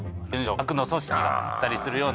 悪の組織が使ったりするような。